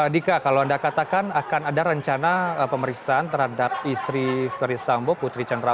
dika kalau anda katakan akan ada rencana pemeriksaan terhadap istri verdi sambo putri candra